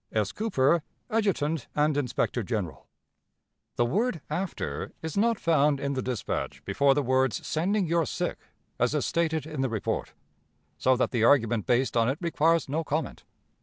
"'S. Cooper, Adjutant and Inspector General.' "The word 'after' is not found in the dispatch before the words 'sending your sick,' as is stated in the report; so that the argument based on it requires no comment.